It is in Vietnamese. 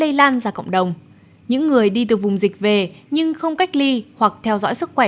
lây lan ra cộng đồng những người đi từ vùng dịch về nhưng không cách ly hoặc theo dõi sức khỏe